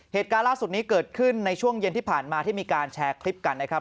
เหตุการณ์ล่าสุดนี้เกิดขึ้นในช่วงเย็นที่ผ่านมาที่มีการแชร์คลิปกันนะครับ